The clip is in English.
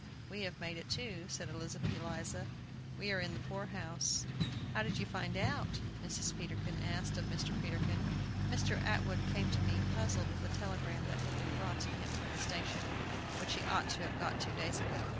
"We have made it, too," said Elizabeth Eliza; "we are in the poor house." "How did you find it out?" Mrs. Peterkin asked of Mr. Peterkin. "Mr. Atwood came to me, puzzled with a telegram that had been brought to him from the station, which he ought to have got two days ago.